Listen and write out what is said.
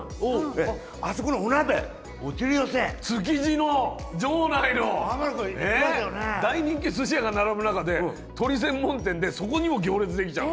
築地の場内の大人気すし屋が並ぶ中で鳥専門店でそこにも行列できちゃうの。